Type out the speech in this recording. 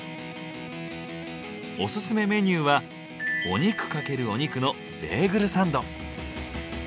オススメメニューは「お肉×お肉」のベーグルサンド。